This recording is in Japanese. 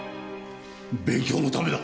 勉強のためだ。